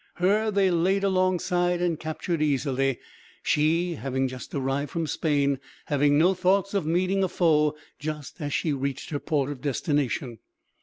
Her they laid alongside and captured easily, she having just arrived from Spain, having no thoughts of meeting a foe, just as she reached her port of destination.